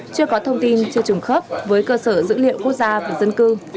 chưa có thông tin chưa trùng khớp với cơ sở dữ liệu quốc gia về dân cư